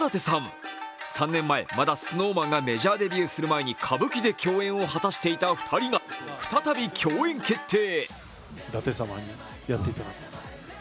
３年前、まだＳｎｏｗＭａｎがメジャーデビューする前に歌舞伎で共演を果たしていた２人が再び共演が決定。